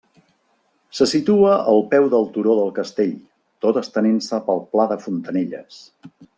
Se situa al peu del Turó del Castell, tot estenent-se pel pla de Fontanelles.